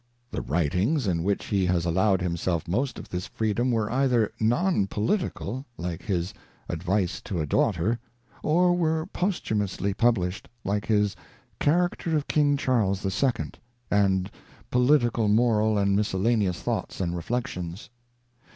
The writings in which he has allowed himself most of this freedom were either non political, like his Advice to a Daughter, or were posthumously published, like his Character of King Charles the Second : and Political, Moral and Miscellaneous Thoughts and Reflections.